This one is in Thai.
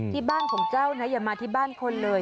ที่บ้านของเจ้านะอย่ามาที่บ้านคนเลย